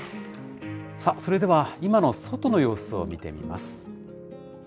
さあ、それでは今の外の様子を見てみます。